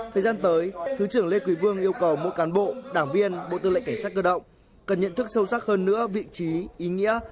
thời gian tới thứ trưởng lê quý vương yêu cầu mỗi cán bộ đảng viên bộ tư lệnh cảnh sát cơ động cần nhận thức sâu sắc hơn nữa vị trí ý nghĩa